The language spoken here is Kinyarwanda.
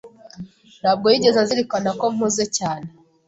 Ntabwo yigeze azirikana ko mpuze cyane.